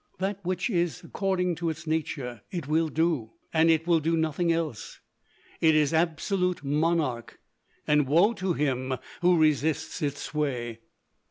That which is according to its nature it will do, and it will do nothing else. It is absolute monarch, and woe to him who resists its sway.